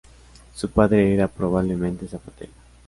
Su padre era probablemente zapatero.